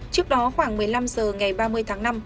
trước đó khoảng một mươi năm h ngày ba mươi tháng năm